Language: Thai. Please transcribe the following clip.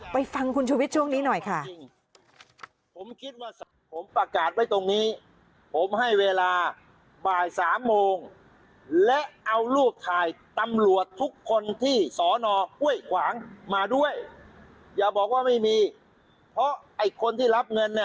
ฟังคุณชุวิตช่วงนี้หน่อยค่ะ